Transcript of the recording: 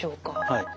はい。